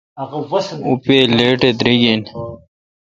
اں پے° لیٹ اے° دریگ این۔